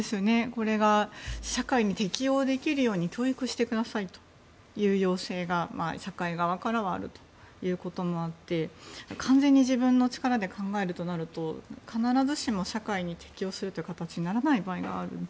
これが社会に適応できるように教育してくださいという要請が社会側からはあるということもあって完全に自分の力で考えるとなると必ずしも社会に適応するという形にならない場合もある。